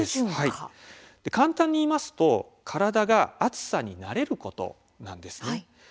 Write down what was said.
簡単に言いますと体が暑さに慣れることです。